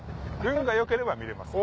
運が良ければ見れます。